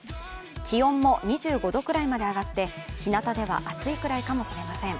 気温も２５度くらいまで上がって、ひなたでは暑いくらいかもしれません。